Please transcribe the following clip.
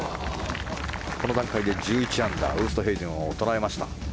この段階で１１アンダーウーストヘイゼンを捉えました。